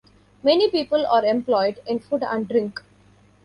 Many people are employed in food and drink.